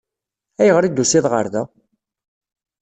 Ayɣer i d-tusiḍ ɣer da?